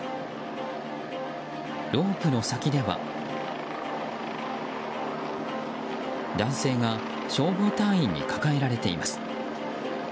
ロープの先では男性が消防隊員に抱えられています。